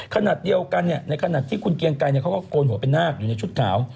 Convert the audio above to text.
ขณะเดียวกันในขณะที่คุณเกียงไกรเขาก็โกนหัวเป็นนาคอยู่ในชุดขาว